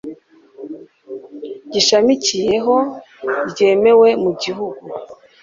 gishamikiyeho ryemewe mu gihugu